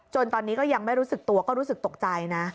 ตอนนี้ก็ยังไม่รู้สึกตัวก็รู้สึกตกใจนะ